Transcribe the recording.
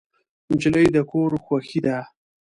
نجلۍ د کور خوښي ده.